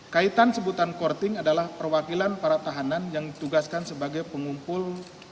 kaitan sebutan korting adalah perwakilan para tahanan yang ditugaskan sebagai pengumpul